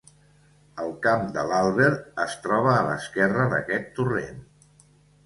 El Camp de l'Àlber es troba a l'esquerra d'aquest torrent.